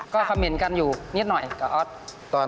ก็คอมเมนต์กันอยู่นิดหน่อยกับออส